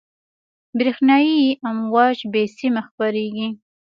برېښنایي امواج بې سیمه خپرېږي.